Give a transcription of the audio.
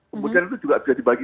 kemudian itu juga bisa dibagi